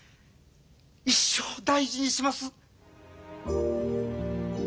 一生大事にします！